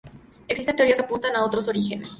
Existen teorías que apuntan a otros orígenes.